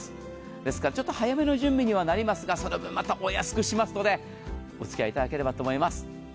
ですからちょっと早めの準備にはなりますが、その分またお安くしますので、おつきあいいただければと思います。